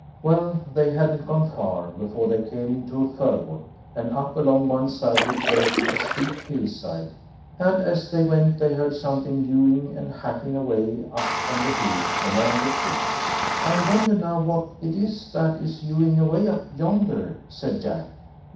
Well! they hadn't gone far before they came to a fir wood, and up along one side of it rose a steep hill side, and as they went, they heard something hewing and hacking away up on the hill among the trees. "I wonder now what it is that is hewing away up yonder?" said Jack.